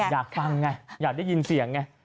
อยากฟังไงอยากได้ยินเสียงไง